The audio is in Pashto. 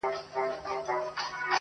په سپورږمۍ كي زمــــــــــا زړه دى.